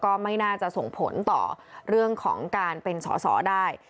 ก็ไม่น่าจะส่งผลต่อเรื่องของการเป็นสอสอได้